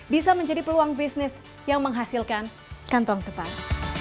bisa menjadi peluang bisnis yang menghasilkan kantong tepat